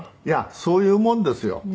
いやそういうもんですよ。